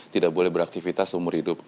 tidak boleh beraktivitas seumur hidup